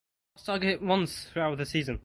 He was targeted once throughout the season.